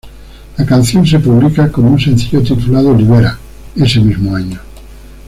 La canción se publica como un sencillo titulado "Libera" ese mismo año.